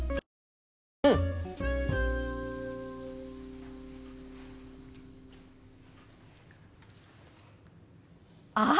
うん！あっ！